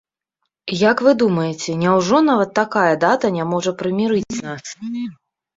Як вы думаеце, няўжо нават такая дата не можа прымірыць нас?